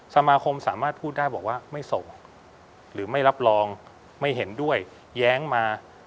สมาคมสามารถพูดได้บอกว่าไม่ส่งหรือไม่รับรองไม่เห็นด้วยแย้งมา